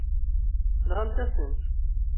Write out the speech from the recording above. Tenɣamt-asen-tt.